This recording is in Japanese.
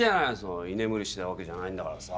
居眠りしてたわけじゃないんだからさ。